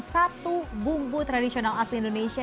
satu bumbu tradisional asli indonesia